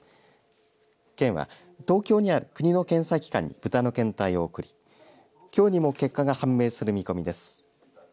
県は東京にある国の検査機関に豚の検体を送りきょうにも結果が判明する見込みです。